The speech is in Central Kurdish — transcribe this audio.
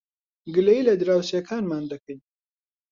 گلەیی لە دراوسێکانمان دەکەین.